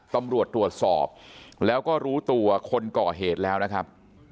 ตำรวจตรวจสอบแล้วก็รู้ตัวคนก่อเหตุแล้วนะครับ